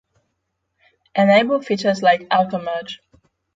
Enable features like auto-merge